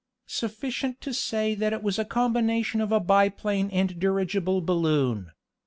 Sufficient to say that it was a combination of a biplane and dirigible balloon.